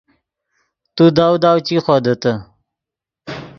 تو داؤ داؤ چی خودیتے